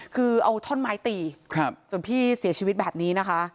คือเอาท่อนไม้ตีจนพี่เสียชีวิตแบบนี้นะคะ